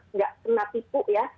tidak pernah tipu ya